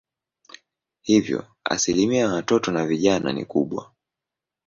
Hivyo asilimia ya watoto na vijana ni kubwa.